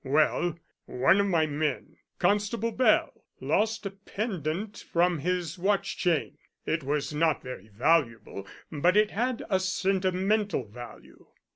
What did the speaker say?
Well, one of my men, Constable Bell, lost a pendant from his watch chain. It was not very valuable, but it had a sentimental value.